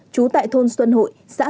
trú tại thôn xuân hội xã tiến hà